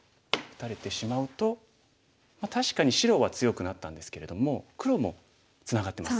確かに白は強くなったんですけれども黒もツナがってます。